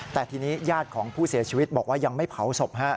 แต่ทีนี้ญาติของผู้เสียชีวิตบอกว่ายังไม่เผาศพ